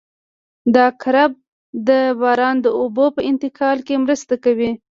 دا کرب د باران د اوبو په انتقال کې مرسته کوي